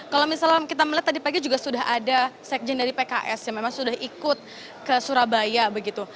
kalau misalnya kita melihat tadi pagi juga sudah ada sekjen dari pks yang memang sudah ikut ke surabaya begitu